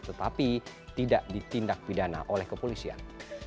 tetapi tidak ditindak pidana oleh kepolisian